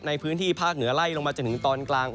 ในพื้นที่ภาคเหนือไล่ลงมาจนถึงตอนกลาง